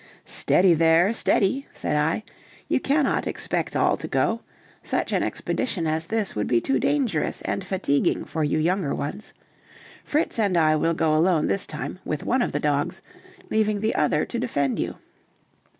"Steady there, steady!" said I, "you cannot expect all to go. Such an expedition as this would be too dangerous and fatiguing for you younger ones. Fritz and I will go alone this time, with one of the dogs, leaving the other to defend you."